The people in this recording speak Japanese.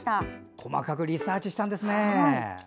細かくリサーチしたんですね。